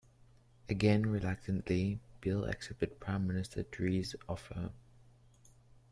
Again reluctantly, Beel accepted Prime Minister Drees' offer.